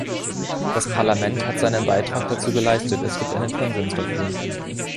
Das Parlament hat seinen Beitrag dazu geleistet, es gibt einen Konsens dafür.